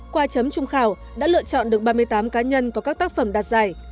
qua chấm trung khảo đã lựa chọn được ba mươi tám cá nhân có các tác phẩm đạt giải